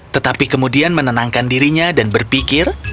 tetapi kemudian menenangkan dirinya dan berpikir